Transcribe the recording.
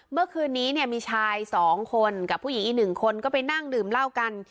เมื่อคืนนี้เนี่ยมีชาย๒คนกับผู้หญิงอีก๑คนก็ไปนั่งดื่มเหล้ากัน